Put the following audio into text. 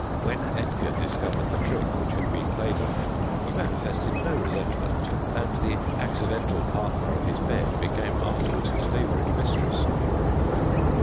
When Edgar discovered the trick which had been played on him, he manifested no resentment, and the accidental partner of his bed became afterward his favorite mistress.